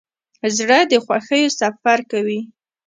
زړه د خوښیو سفر کوي.